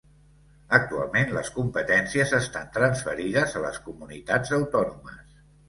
Actualment les competències estan transferides a les comunitats autònomes.